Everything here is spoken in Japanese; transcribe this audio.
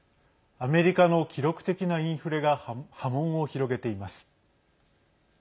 アメリカの記録的なインフレが波紋を広げています。